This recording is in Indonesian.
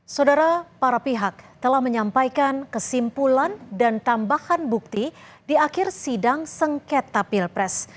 saudara para pihak telah menyampaikan kesimpulan dan tambahan bukti di akhir sidang sengketa pilpres